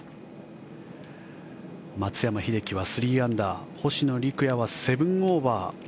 松山英樹は３アンダー星野陸也は７オーバー。